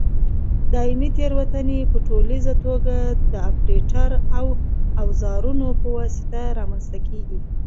دایمي تېروتنې په ټولیزه توګه د اپرېټر او اوزارونو په واسطه رامنځته کېږي.